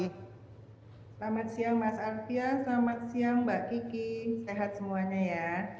selamat siang mas alpia selamat siang mbak kiki sehat semuanya ya